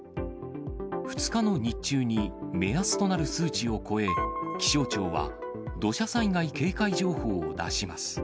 ２日の日中に目安となる数値を超え、気象庁は土砂災害警戒情報を出します。